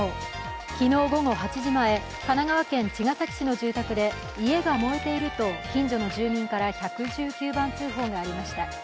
昨日午後８時前、神奈川県茅ヶ崎市の住宅で家が燃えていると近所の住民から１１９番通報がありました。